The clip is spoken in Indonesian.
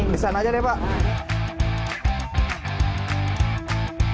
di sana aja deh pak